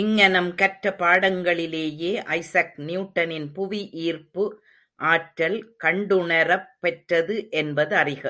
இங்ஙனம் கற்ற பாடங்களிலேயே ஐசக் நியூட்டனின் புவி ஈர்ப்பு ஆற்றல் கண்டுணரப் பெற்றது என்பதறிக.